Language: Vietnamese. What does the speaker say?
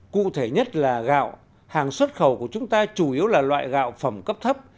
cụ thể nhất là gạo hàng xuất khẩu của chúng ta chủ yếu là loại gạo phẩm cấp thấp